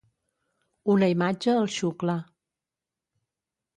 Una imatge el xucla.